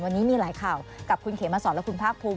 วันนี้มีหลายข่าวกับคุณเขมสอนและคุณภาคภูมิ